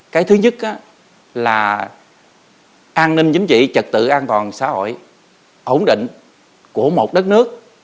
cái thứ nhất là an ninh chính trị trật tự an toàn xã hội ổn định của một đất nước